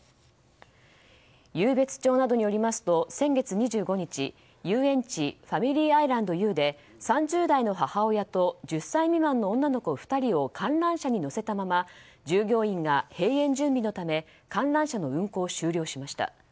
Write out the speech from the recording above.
湧別町などによりますと先月２５日遊園地ファミリー愛ランドＹＯＵで３０代の母親と１０歳未満の女の子２人を観覧車に乗せたまま従業員が閉園準備のため観覧車の運行を終了しました。